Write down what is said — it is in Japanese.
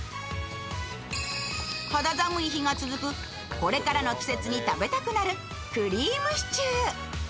これからの季節に食べたくなるクリームシチュー。